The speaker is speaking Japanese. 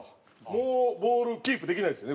もうボールキープできないですよね？